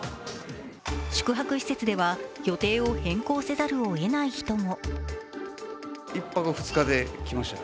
宿泊施設では予定を変更せざるをえない人も。